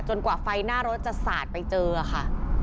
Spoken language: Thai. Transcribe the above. กว่าไฟหน้ารถจะสาดไปเจอค่ะ